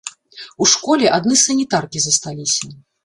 У школе адны санітаркі засталіся.